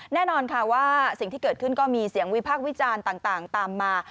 แน่นอนค่ะว่าสิ่งที่เกิดขึ้นก็มีเสียงวิพากษ์วิจารณ์ต่างตามมา